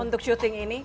untuk shooting ini